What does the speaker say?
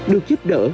được giúp đỡ